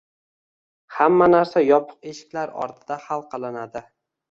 Hamma narsa yopiq eshiklar ortida hal qilinadi